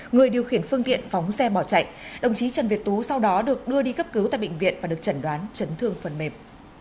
người điều khiển phương tiện phóng xe bỏ chạy đồng chí trần việt tú sau đó được đưa đi cấp cứu tại bệnh viện và được chẩn đoán chấn thương phần mềm